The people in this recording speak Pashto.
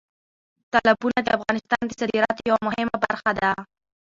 تالابونه د افغانستان د صادراتو یوه مهمه برخه ده.